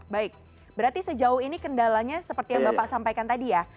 baik berarti sejauh ini kendalanya seperti yang bapak sampaikan tadi ya